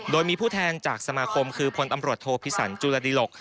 โดยมีผู้แทนจากสมาคมคือพลตำรวจโทพิสันจุลดิหลก